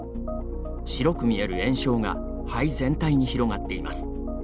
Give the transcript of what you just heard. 白く見える炎症が肺全体に広がっています。